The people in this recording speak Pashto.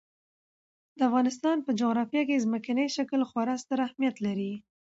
د افغانستان په جغرافیه کې ځمکنی شکل خورا ستر اهمیت لري.